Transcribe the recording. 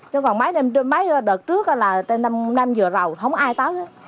chứ còn mấy đợt trước là nam vừa rầu không có ai tới